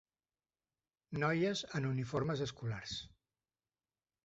Noies en uniformes escolars.